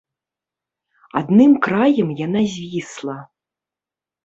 Адным краем яна звісла.